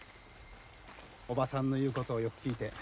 おばさんの言うことをよく聞いて。